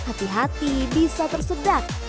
hati hati bisa tersedak